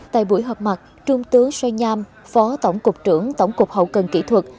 tại buổi gặp mặt trung tướng xoay nham phó tổng cục trưởng tổng cục hậu cần kỹ thuật